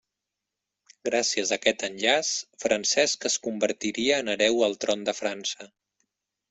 Gràcies a aquest enllaç, Francesc es convertiria en hereu al tron de França.